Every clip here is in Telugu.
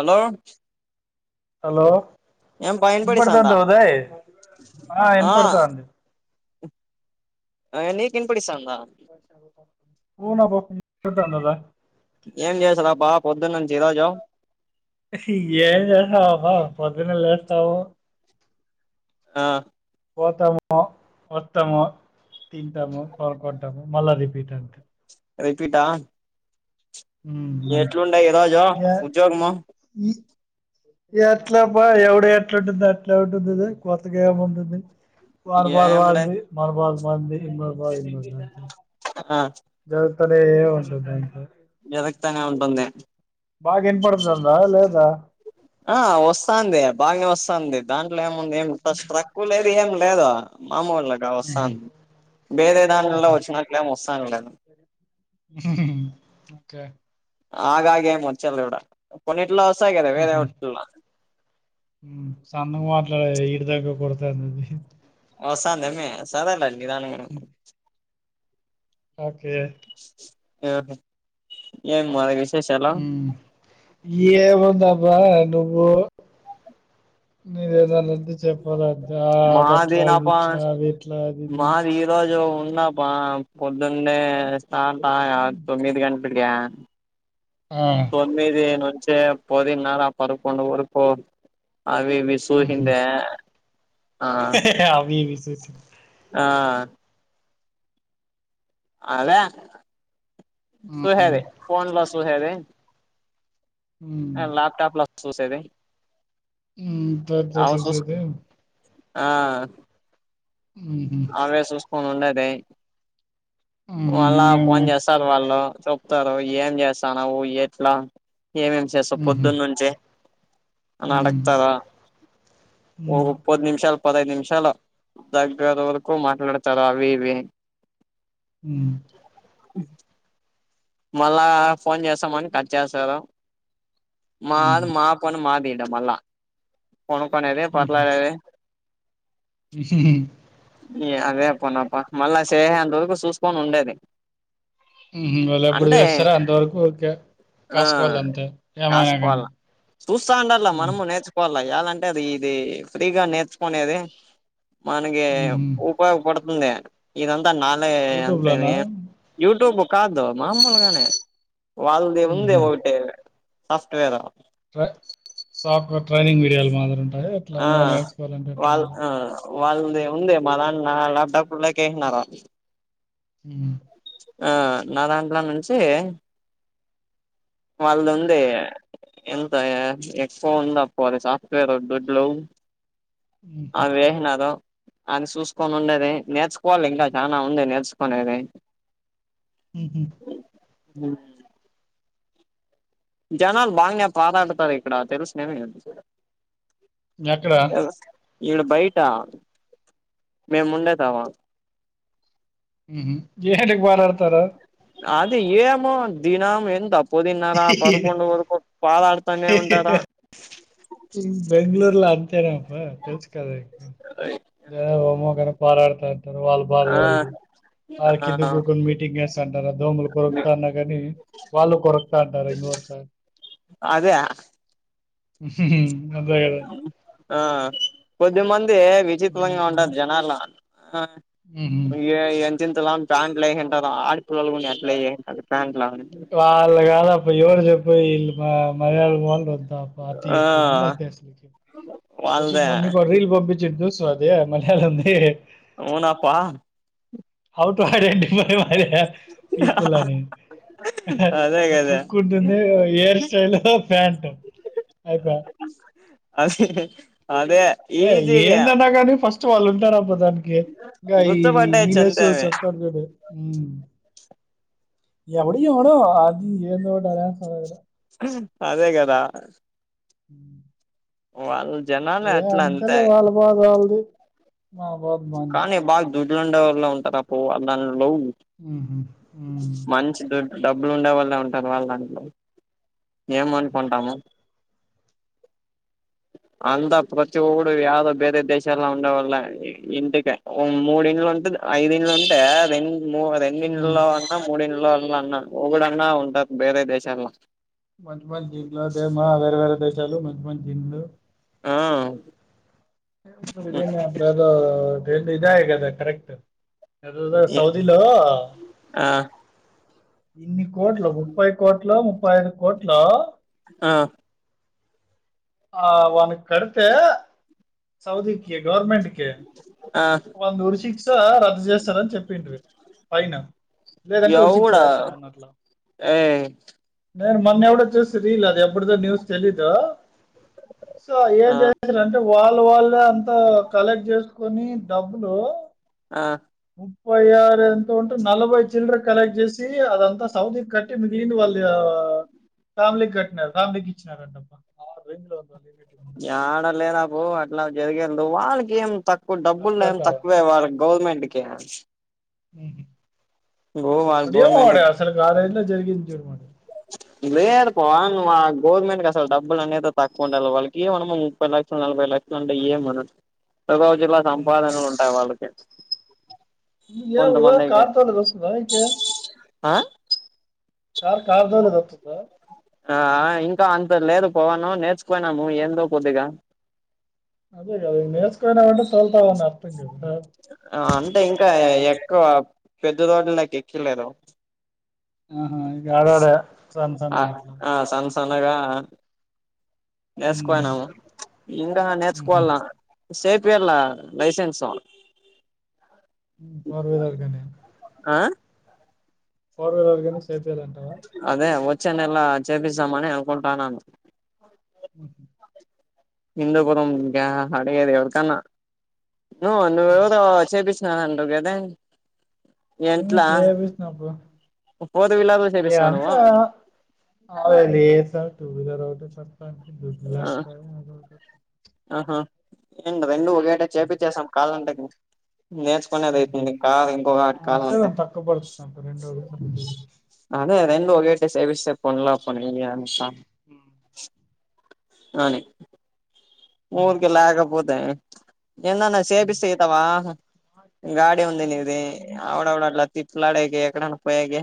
హలో హలో ఏం పా ఇనపడిస్తాందా ఇనపడుతాంద ఉదాయ్ ఆ ఇనపడతాంది ఆ నీకు ఇన్పిడి సాను పోనా బ తద ఏం చేస్తారా బా పొద్దున్న నుంచి ఈ రోజు ఏం చేస్తావా పొద్దునే లేసావు ఆ పోతాము వస్తాము తింటాము కోనుకుంటాము మళ్ళా రిపీట్ అంతే రిపీటా ఉమ్ ఎట్లుండే ఈ రోజు అంతే ఉద్యోగము ఈ ఎట్లా బ ఎవడ ఎట్లాంటుంది అట్లా ఉంటుందిద కొత్తగా ఏమ ఉంటుంది వాళ్ల బాధ ఏం లే వాళ్లది మన బాధ మంది ఇన్న బా ఇన్న ఆ సూతనే ఉంటది అంత ఎదగ తనే ఉంటుంది బాగా విన పడుతుందా లేదా ఆ వస్తది బాగానే వస్తుంది దాంట్లో ఏముంది ఏ స్ట్రక్కు లేదు ఏం లేదు లేదా మామూలుగా ఉహు వస్తాంది వేరే దాంలో ఉహు వచ్చినట్లే ఏం వస్తాను లేదు. ఓకే ఆగాగేం వచ్చలే కూడా కొన్నిట్లో వస్తాయి కదా వేరే టిల్లో [unintelligible] సన్నంగా మాట్లాడ ఇడిదక కొడత అన్నది [unintelligible] [unintelligible] ఓకే ఆహ ఏ మగ [unintelligible] ఏముంది అబ్బా నువ్వు మీరు ఏదన్ననత చెప్పాలంత అది మాది అట్లా ఇది నాపా ఇట్లా అవి ఎట్లా అది ఇది ఎన్నాపా పొద్దునే స్తర్ హ్మ్. తొమ్మిది గంటకి [unintelligible] ఆ! తొమ్మిది నుంచే పొదిన్నారా పదకొండు వరకు అవివి హుహు. చూహందా ఆ [unintelligible] [unintelligible] అవి ఇవి చూసి. ఆ అదే హ్మ్. చూసేది ఫోన్ లో చూసేది హ్మ్. ల్యాప్టాప్ లా చూసేది పత చ అవి చూస్ సద [unintelligible] ఆ ఊహు ఫోన్ ఉండేది హుహు. మళ్ళా ఇంగేమి? ఫోన్ చేస్తారు వాళ్ళు చెప్తారు ఏం చేస్తా నువ్వు ఎట్లా ఏమేం చేస్తావు హుహు. పొద్దున్న నుంచి న హ్మ్. అడ్గతాధ ఓ హ్మ్. ముప్పద్ నిమిషాలు పదైదు నిమిషాలు ఇది వరకు మాట్లాడతారు అవి ఇవి హ్మ్. [unintelligible] మళ్ళా ఫోన్ చేస్తామని కట్ చేస్తారు మాది మా పని మాది మల్ళ కొనుకొనేది పోర్లాడేది అే [unintelligible] [unintelligible] అవే పనప్ప మళ్ళా చేసే అంతకు చూసుకొని ఉండేది హూ హమ్ వాళ్ళు ఎప్పుడు అంటే చేస్తారా అంతవరకు ఓకే ఆ కాసుకోవాలి అంతే ఏమైనా కానీ కాసుకోవాల చూస్తా ఉండలా ఉమ్, మనము నేర్చుకోవాల చేయాలంటే అది ఇది ఫ్రీగా నేర్చుకునేది మనకి ఉహు ఉపయోగపడుతుంది ఇది అంత నాలే అంతే యూట్యూబ్లోనా యూ ట్యూబ్ కాదు మామూలుగానే వాళ్ళది ఉంది ఒకటి సాఫ్ట్వేర్ సాఫట్వేర్ ట్రైనింగ్ విడియాలి మొత్తం [unintelligible] అదే ఎట్లా ఆ నువ్వు నేర్చుకోవాలంటే ఎట్లా వాళ్ మరీ ఆ వాళ్ళది ఉంది మా దాని లాప్టాప్ల కి ఏసిన్నారు ఉమ్ ఆ నా దాంట్లో నుంచి వాళ్ళదుంది ఎంతయా ఎక్కువ ఉంది అప్పు అది సాఫ్ట్వేర్ దొడ్లు ఉహు అ వేసినారు ఆయన చూసుకొని ఉండేది నేర్చుకోవాలి ఇంకా చాల ఉంది నేర్చుకునేది ఊహు ఉమ్ జనాలు బాగానే పారాడుతారు ఇక్కడ తెల్సునేమి ఎక్కడ ఈడు బయట మేము ఉండేతామ ఉ హమ్ ఎంటికి పారాడతారు అది ఏమో దినం ఎం తప్పు పొదిన్నారా పదకొండు వరకు పాదడుతానే ఉంటారా ఇ అంతేనాప్ప తెలుసు కదాదమ్మో కాని పోరాడుతాను [inaudible] వాళ్ళు బద ఆ వాళ్లది ఆ కింద కూ కొని మీటింగ్ ఎస్తుఎంన్టారు దోమలు కొరకుతా అన్నా కానీ వాళ్ళు కొరకుతా అంటారు రత [inaudible] అద అంతే కదా ఆ కొద్దిమంది ఏ విజిత్లంగా అంతే ఉంటారు జనాలు ఉహు. ఇంత లగ్ ప్యాంట్లు ఉంటారు ఆడిపిల్లలు ఎట్లాంటారు ప్యాంట్ వాళ్ళ కాద అ ఎవరు చెప్పుయి ఇల్ మర్యాళ పో [unintelligible] పుత ఆ ఫుల్ ప వాళ్ళదే మన్ని కూడా రీల్ బంబ [unintelligible] జిండు స్వాదే మలయాళంది అవునాప్పా అఔట్ మడ అడి మరి మరి పీపుల్ని అదే [unintelligible] కదా కుక్ ఉంటుంది హెయిర్ స్టైల్ ఫ్యాంట్ అయిపాయే [unintelligible] ఏ ఈజీగా ఏందన్నా గాని ఫస్ట్ వాళ్ళు ఉంటారు అప్ప దానికి ఇంకా ఈ గుర్తుపట్టేయచ్చు నీలేష్ అంతే అవి చెప్తాడు గడు ఎవడ ఉన అది ఏంద వాటర సాలద [unintelligible] అదే కదా హ వాళ్ళు జనాలు ఏ అట్లా అంతే అంతలే వాళ్ళ బాధ వాళ్ళది మా బాధ బాంది కానీ బాగా దుడ్లు ఉండే వాళ్ళు ఉంటారు అప్పు దాలో ఉహు ఉమ్, మంచి డబ్బులు ఉండే వాళ్ళ ఉంటారు వాళ్ళాంట్లో ఏమ ఉమ్, అనుకుంటాము అంతా ప్రతి ఒడు ఏదో వేరే దేశాలల్లో ఉండే వాళ్ళ ఇంటిక మూడి ఇండ్లు ఉంటే ఐదేళ్ళలు అంటే రెండు మ రెండు ఉమ్. లో అన్నా మూడి ఇంలోల అన్నా డన్నా ఉంటది బేరే దేశాలల్లో మంచి మంచి ఇండ్లు దేమా వేరే వేరే దేశాలు మంచి మంచి జింలు ఆ అప్పుడు ఎదో ఇదాకదా కరెక్ట్ అదదా సౌదీలో ఆ ఇన్ని కోట్లు ముప్పై కోట్లు ముప్పై ఐదు కోట్ల ఆ ఆ వన కడితే సౌదీకి గవర్నమెంట్ కి ఆ వళ్లు ఉరి శిక్ష రద్దు చేస్తారని చేపిండు పైన లేదంటే ఉరి శిక్ష చేస్తాం అన్నట్లా ఏయ్ నేను మొన్న ఎవడో చూసి రీల్ అది ఎప్పుడుదో న్యూస్ తెలీదు సో ఏం ఆ చేస్తారుంటే వా వాళ్ళ వాళ్ళే అంత కలెక్ట్ చేసుకొని డబ్బులు ఆ ముప్పై ఆరు ఎంత ఉంటది నలభై చిల్లరా సేలెక్ట్ చేసి అదంతా సౌతి కట్టి మిగిలింది వాళ్ళ ఫ్యామిలీ కట్టినారు. ఫ్యామిలీకి ఇచ్చినారూ అంట రెండో [inaudible] ఏడలేదబ్బ అట్లా జరిగనా వాళ్ళకి ఏం తక్కు కఇప్పుడు డబ్బులు అట్లా ఏం అంటావా తక్కువే వాల్లకి గవర్నమెంట్ కి గో వాళ్ళ ఉహ్ ఏమో గవర్నమెంట్ వాడే అసలు ఆ రేంజులో జరిగింది చూడు మా లేదు పా నువ్వు ఆ గవర్నమెంట్ క అసలు డబ్బులు అనేది తక్కువ ఉండాలే వాళ్ళకి ఏమన్న ముప్పై లక్షలు నలభై లక్షలు ఉంటాయి ఏమన్న ప్రతి రోజుల్లా ఉహు. సంపాదనలు ఉంటాయి వాళ్ళకి [unintelligible] కొంతమందికి కారు తొలేది ఆ వత్తద ఆ ఇంకా అంత లేదు పవను నేర్చుపోయినాము ఏందో కొద్దిగా అదే కదా నేర్చుకొని రమ్మంటే తోల్తా ఉన్న అర్థం కాదు అంటే ఇంకా ఎక్కువ పెద్ద రోడ్లులకి ఎక్కియాలేదు. ఆహా ఆడ వోడ సందు సందు ఆట్లా అనగా ఉమ్. నేర్చుకోయినాము ఇంకా హుహు. నేర్చుకోవాల సేఫీ యాలా లైసెన్స్ ఫార్వేదార్గానే ఆ ఫోర్వీలర్ గానే సేపియాలంటావా అదే వచ్చే నేలా చేపిస్తామని అనుకుంటాన్నాను. ఉహ్ ఇందు పురం గ్యాంగ్ అడిగేది ఎవరికాన్నా నువ్వు నువ్వు హ్మ్. ఎవరో చేపిస్తున్నావు అంటున్నావ్ కదే హ్ చెపిచ్చిన బ్రో ఫోర్ వీలర్ చేపిస్తావా ఎంత నువ్వు ఆడలేదు సార్ టూ వీలర్ అటు పాండి [unintelligible] ఆహా ఏండి రెండు ఒకేట చేపి చేసాం కాదంటావా నేర్చుకునేది హుహు. ఐపోయింది ఇంకా ఇంకొకటి కార్ అట్లే అంటే దానికి తక్కువ పడుతుంది అబ్బా రెండు ఒకేసారి చేపిస్తే. అదే రెండు ఒకే టె సేవిసేపోన్లా [unintelligible] హ్ హ్ అని హ్మ్. ఊరికే లేకపోతే ఎందన్న హ్మ్. హ్మ్. సేపిస్త ఇతవా గాడ ఏం ఉంది నిది ఆవుడవడలా తిట్లాడకి ఎక్కడ పోఏకి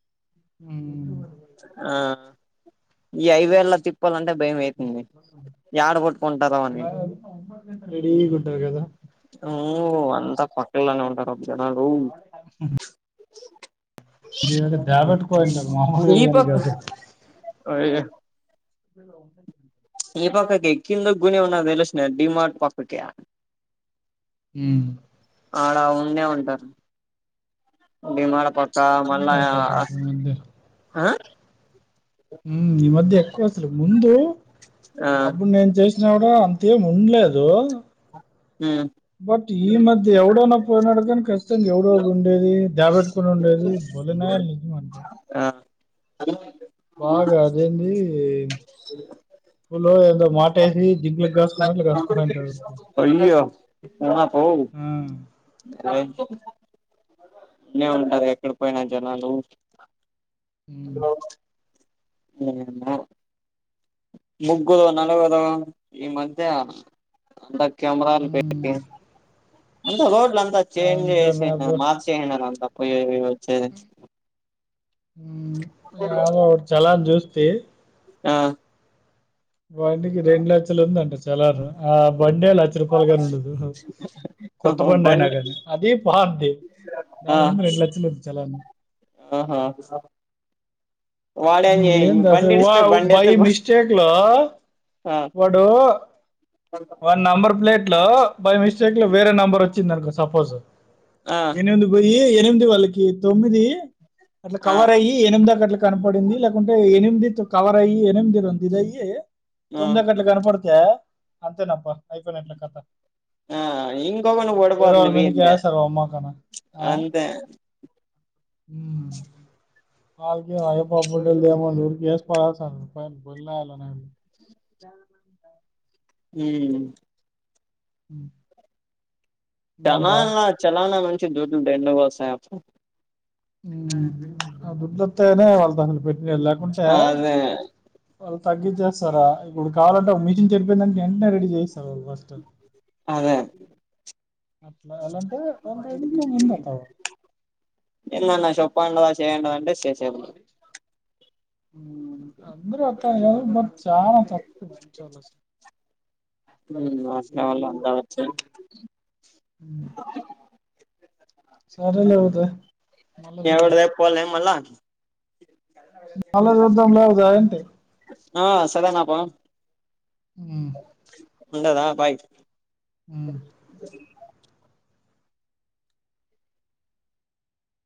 హ్ ఈ ఐదేళ్ళ తిప్పాలంటే భయం అయి తంది. ఉన్న రెడిగా ఉంటారు కదా ఉ అంతా పక్కలనే ఉంటరు జనాలు ఇది అంటే దాబెట్టుకోంటారు మామూలుగా ఈ గాని పక్క కాదు. [unintelligible] ఈ పక్కకి ఎక్కింద గునే ఉన్నా తేలీసిన డిమార్ట్ పక్కకి హ్ అడ ఉండే ఉంటారు డి మార్ట్ పక్క ఆ మళ్ళ నాకు అసలు ఆ ఈ మధ్య అ ఈ మధ్య ఎక్కువ అసలు ముందు ఆ అప్పుడు నేను చేసినా కూడా అంత అంతేం ఉండలేదు హ బట్ ఈ మధ్య ఎవడోన పోయినాడుకని ఖచ్చితంగా ఎవడు ఎవడు ఉండేది దాబెట్టుకొని ఉండేది బ నయల్ నుంచి మనంట [unintelligible] ఆ బాగా అదేంది స స్కూలో ఏదో మాటు వేసి జింకలకి కాసుకుపోయినట్లు కాసుకునింటాడు ఆహ పో ఇటనే ఉంటారు ఎక్కడ పోయినా జనాలు ఉమ్ ఏమో ముగ్గుదు నలుగుదు ఈ మధ్య కెమెరాని హ్మ్. పెట్టి అంతా చేంజ్ చేస అంతేనా బ్రో. మార్చేసినారు అంతా పోయ్యెది వచ్చేది ఎదొ ఒకటి చలాన చూస్తి ఆ బండికి రెండు లక్షలు ఉందంట చలను ఆ బండే లక్ష రూపాయలుగాని ఉండదు కొత్త బండి అయినా గానీ అది పాద్ధి ఆ దాని ముందు రెండు లక్షలు ఉంది చాలను ఆహా వాడేం చే ఇంగేంది బండి అసలు ఇడిసిపోయి వావ్ బండి బై ఎత్తుకు మిస్టేక్లో ఆ వాడు వాడి నంబర్ ప్లేట్ బై మిస్టేక్ లో వేరే నెంబర్ వచ్చింది అనుకో సపోజ్ ఆ ఎనిమిది పోయి ఎనిమిది వాళ్ళకి తొమ్మిది అట్లా ఆ కవర్ అయ్యి ఎనిమిది అక అట్లా కనపడింది లేకుంటే ఎనిమిది కవర్ అయ్యి ఎనిమిది ఇది ఇదియి ఆ తొమ్మిదిక్కట్లా కనపడితే అంతేనబ్బ అయిపోయినట్లే కథ ఆ ఇంకొకటి వేరే పడిపోతుంది వాళ్ళ మీది కి వీంది ఎస్తర అమ్మా కానా అంతే అగ అయ పాపడ దమూ [unintelligible] గస్ ప స ప బల్ [unintelligible] ఉమ్ ఉమ్ చలానా చలానా మంచి దూడ్లు దండిగ వస్తాయి అప్పుడు దుడ్లుస్తనే వాళ్ళతో అసలు పెట్టు ఉండేది లేకుంటే అదే వాళ్ళు తగ్గించేస్తారా ఇప్పుడు కావాలంటే ఒక మిషిన్ చెడిపోయింది అంటే వెంటనే రెడీ చేయిస్తారు వాళ్ళు ఫస్ట్ అదే అట్లా ఎలా అంటే వాళ్ళ ఇంట్లో ఉంది అట్లా [unintelligible] చెప్పండవ చేయండవా అంటే చేేేసే హ అందరు అట్ల అని కాదు బట్ చానా తప్పు అస్లల్ల్లో అందా వచ్చ [unintelligible] ఉమ్ సరే లే అయితే ఎవడదే పోల్లే మల్ళ మళ్ళ చూద్దాంలే జాయింటే ఆ సరేనప్ప హ్మ్ ఉండదా బాయ్ హ్మ్